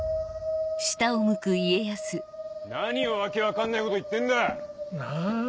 何を訳分かんないこと言ってんだ⁉なぁ？